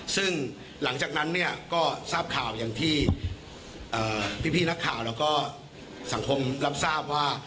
ซึ่งหลังจากนั้นเนี่ยก็ทราบข่าวอย่างที่พี่นักข่าวแล้วก็สังคมรับทราบว่า